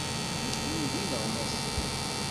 Nekkni d ineɣmasen.